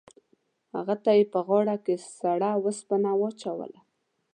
هغه ته یې په غاړه کې سړه اوسپنه واچوله.